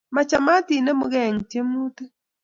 Machamat inemugee eng tyemutik